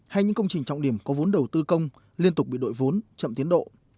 hay những công trình trọng điểm có vốn đầu tư công liên tục bị đội vốn chậm tiến độ